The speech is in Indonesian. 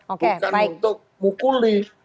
bukan untuk mukuli